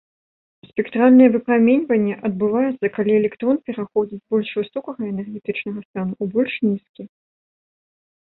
Спектральнае выпраменьванне адбываецца, калі электрон пераходзіць з больш высокага энергетычнага стану ў больш нізкі.